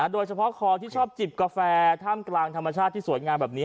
โดยเฉพาะคอที่ชอบจิบกาแฟท่ามกลางธรรมชาติที่สวยงามแบบนี้